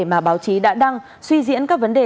mà báo chí đã đăng suy diễn các vấn đề